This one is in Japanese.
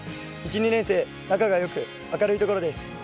２年生仲がよく明るいところです。